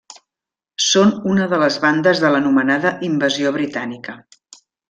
Són una de les bandes de l'anomenada Invasió Britànica.